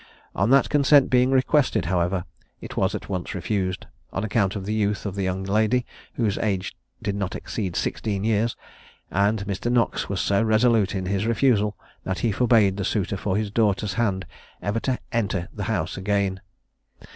On that consent being requested, however, it was at once refused, on account of the youth of the young lady, whose age did not exceed sixteen years; and Mr. Knox was so resolute in his refusal, that he forbade the suitor for his daughter's hand ever to enter the house again.